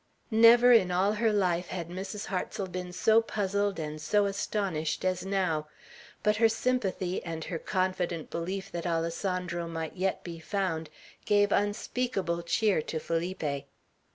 Never in all her life had Mrs. Hartsel been so puzzled and so astonished as now. But her sympathy, and her confident belief that Alessandro might yet be found, gave unspeakable cheer to Felipe.